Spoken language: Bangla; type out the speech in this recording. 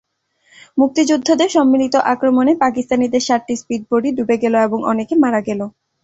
মুক্তিযোদ্ধাদের সম্মিলিত আক্রমণে পাকিস্তানিদের সাতটি স্পিডবোটই ডুবে গেল এবং অনেকে মারা গেল।